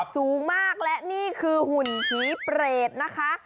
สูงมากและนี่คือหุ่นผีเปรตนะคะ